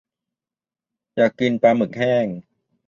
อยากกินปลาหมึกแห้ง